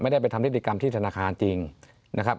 ได้ไปทำนิติกรรมที่ธนาคารจริงนะครับ